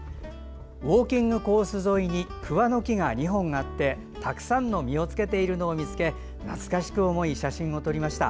ウォーキングコース沿いに桑の木が２本あってたくさんの実をつけているのを見つけ、懐かしく思い写真を撮りました。